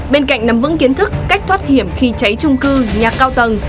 bên cạnh nắm vững kiến thức cách thoát hiểm khi cháy trung cư nhà cao tầng